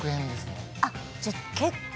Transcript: あっじゃあ結構。